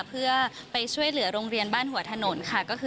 เพื่อไปช่วยเหลือโรงเรียนบ้านหัวถนนค่ะ